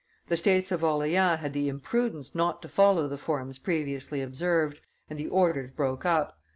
The States of Orleans had the imprudence not to follow the forms previously observed, and the orders broke up.